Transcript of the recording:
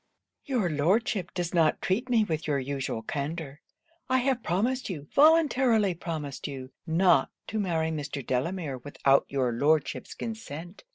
'Your Lordship does not treat me with your usual candour. I have promised you, voluntarily promised you, not to marry Mr. Delamere without your Lordship's consent.